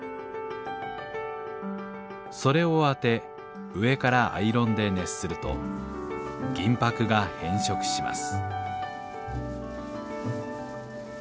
それをあて上からアイロンで熱すると銀箔が変色します。